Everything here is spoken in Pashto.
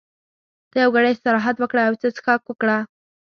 ته یو ګړی استراحت وکړه او یو څه څښاک وکړه.